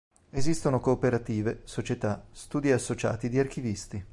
Esistono cooperative, società, studi associati di archivisti.